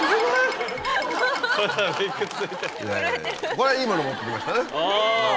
これはいいもの持ってきましたね。